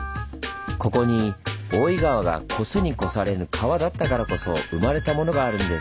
ここに大井川が越すに越されぬ川だったからこそ生まれたものがあるんです。